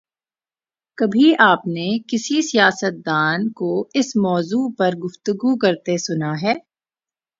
کبھی آپ نے کسی سیاستدان کو اس موضوع پہ گفتگو کرتے سنا ہے؟